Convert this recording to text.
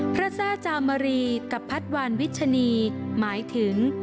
พระทราชามารีกับพัทวาลวิชชะนีหมายถึง